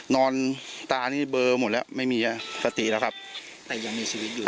นอนตานี่เบอร์หมดแล้วไม่มีสติแล้วครับแต่ยังมีชีวิตอยู่